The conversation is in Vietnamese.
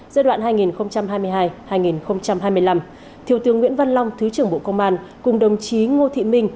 giai đoạn hai nghìn hai mươi hai hai nghìn hai mươi năm thiếu tướng nguyễn văn long thứ trưởng bộ công an cùng đồng chí ngô thị minh